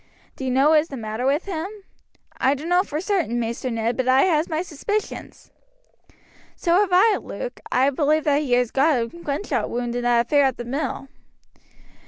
"Do you know what is the matter with him?" "I dunno for certain, Maister Ned, but I has my suspicions." "So have I, Luke. I believe he got a gunshot wound in that affair at the mill."